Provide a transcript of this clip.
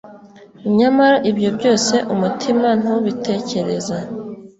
nyamara ibyo byose, umutima ntubitekereza